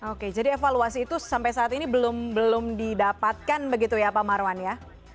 oke jadi evaluasi itu sampai saat ini belum didapatkan begitu ya pak marwan ya